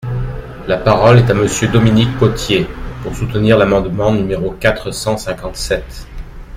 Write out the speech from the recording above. La parole est à Monsieur Dominique Potier, pour soutenir l’amendement numéro quatre cent cinquante-sept.